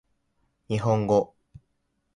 日本語